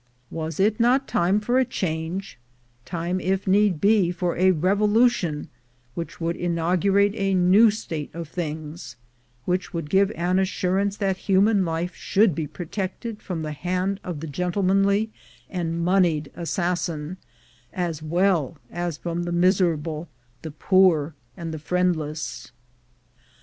"Was It not time for a change — time, if need be, for a revolution which should inaugurate a new state of things — ^which should give an assurance that human life should be protected from the hand of the gentlemanly and moneyed assassin, as well as from the miserable, the poor, and the friendless?